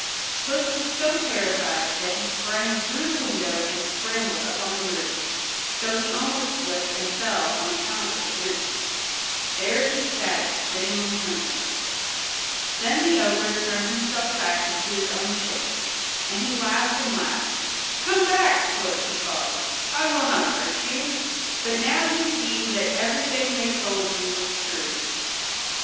Puss was so terrified that he sprang through the window and scrambled up the roof, though he almost slipped and fell on account of the boots. There he sat spitting and trembling. Then the ogre turned himself back into his own shape, and he laughed and laughed. "Come back, Puss," he called, "I will not hurt you; but now you see that everything they told you was true."